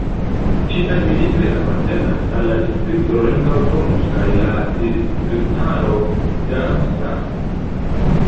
Ĝi administre apartenas al la distrikto Rheingau-Taunus kaj la distriktaro Darmstadt.